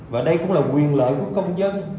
và đây cũng là quyền lợi của công dân